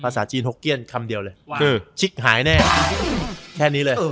ภาษาจีนหกเกี้ยนคำเดียวเลยว่าคือชิคหายแน่แค่นี้เลย